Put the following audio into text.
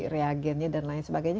reagennya dan lain sebagainya